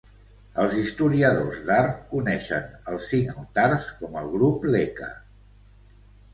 Els historiadors d"art coneixen els cinc altars com el "grup Leka"